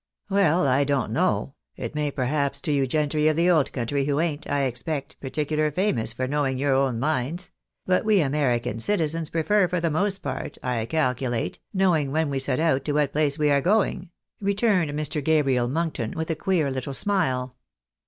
" Well, I don't know ; it may perhaps to you gentry of the old 294 THE BARNABYS IN AMERICA. country, who ain't, I expect, particular famous for kno'W'ing your own minds ; but we American citizens prefer for the most part, I calculate, knowing when we set out to what place we are going," returned Mr. Gabriel Monkton, with a queer little smile.